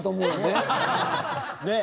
ねえ。